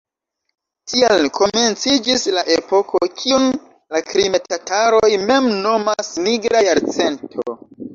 Tiel komenciĝis la epoko, kiun la krime-tataroj mem nomas "Nigra jarcento".